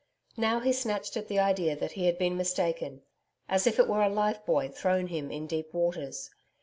Now he snatched at the idea that he had been mistaken, as if it were a life buoy thrown him in deep waters.